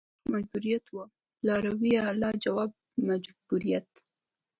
عشق مجبوریت وه لارویه لا جواب مجبوریت